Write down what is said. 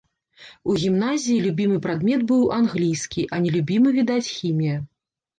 У гімназіі любімы прадмет быў англійскі, а нелюбімы, відаць, хімія.